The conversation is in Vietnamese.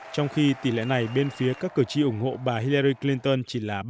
trong khi tỷ lệ này bên phía các cử tri ủng hộ bà hilery clinton chỉ là ba mươi